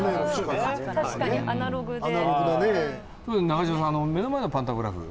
中島さん目の前のパンタグラフ